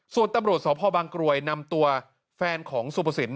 ส่วนตำรวจสพบางกรวยนำตัวแฟนของสุภสิน